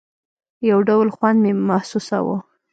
يو ډول خوند مې محسوساوه.